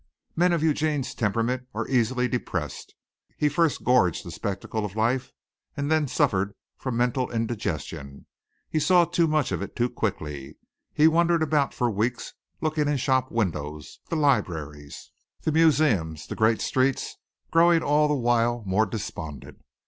Men of Eugene's temperament are easily depressed. He first gorged the spectacle of life and then suffered from mental indigestion. He saw too much of it too quickly. He wandered about for weeks, looking in the shop windows, the libraries, the museums, the great streets, growing all the while more despondent.